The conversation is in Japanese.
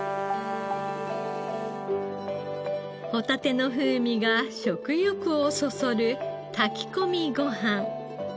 ホタテの風味が食欲をそそる炊き込みご飯。